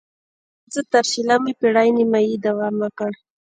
دا هڅو تر شلمې پېړۍ نیمايي دوام وکړ